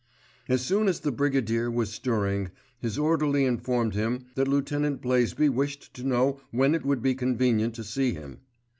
As soon as the Brigadier was stirring his orderly informed him that Lieutenant Blaisby wished to know when it would be convenient to see him.